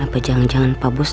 apa jangan jangan pak bus